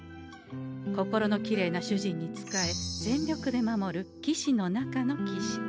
心のきれいな主人に仕え全力で守る騎士の中の騎士。